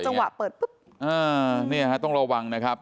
จังหวะเปิดต้องระวังนะครับ